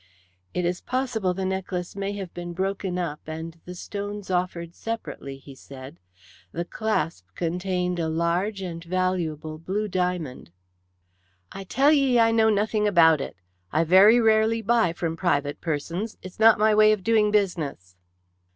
"It is possible the necklace may have been broken up and the stones offered separately," he said. "The clasp contained a large and valuable blue diamond." "I tell ye I know nothing about it. I very rarely buy from private persons. It's not my way of doing business."